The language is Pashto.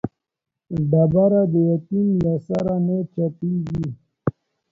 ډبره د يتيم له سره نه چپېږي.